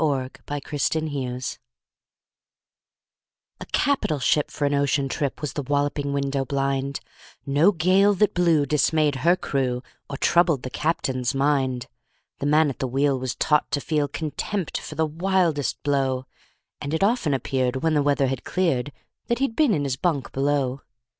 Y Z A Nautical Ballad A CAPITAL ship for an ocean trip Was The Walloping Window blind No gale that blew dismayed her crew Or troubled the captain's mind. The man at the wheel was taught to feel Contempt for the wildest blow, And it often appeared, when the weather had cleared, That he'd been in his bunk below.